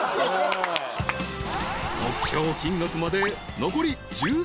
［目標金額まで残り１３万円］